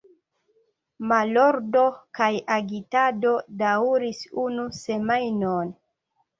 Malordo kaj agitado daŭris unu semajnon.